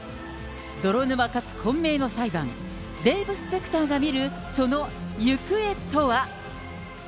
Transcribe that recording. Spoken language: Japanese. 泥沼かつ混迷の裁判、デーブ・スペクターが見る、その行方とは？